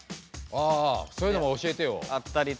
あそういうの教えてよ。